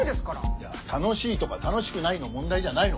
いや楽しいとか楽しくないの問題じゃないの。